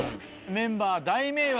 「メンバー大迷惑！」